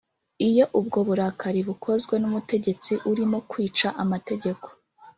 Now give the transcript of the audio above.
iyo ubwo burakari bukozwe n' umutegetsi urimo kwica amategeko